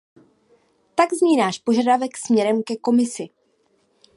Tak zní náš požadavek směrem ke Komisi.